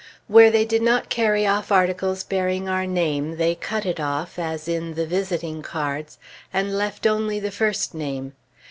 Where they did not carry off articles bearing our name, they cut it off, as in the visiting cards, and left only the first name.